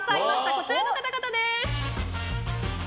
こちらの方々です。